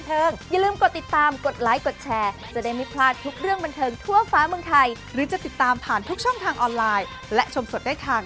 เพราะว่าเค้าส่งทางกี้เสือกันแบบดุดัน